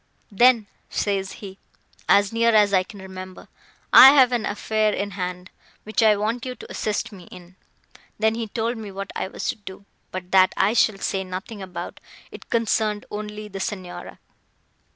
'Then,' says he, as near as I can remember, 'I have an affair in hand, which I want you to assist me in.'—Then he told me what I was to do; but that I shall say nothing about—it concerned only the Signora."